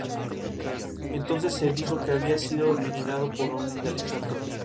Entonces se dijo que había sido envenenado por orden de Alejandro.